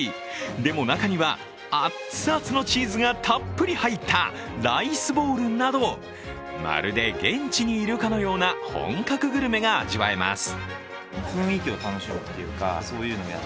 でも中にはアッツアツのチーズがたっぷり入ったライスボールなどまるで現地にいるかのような本格グルメが味わえます。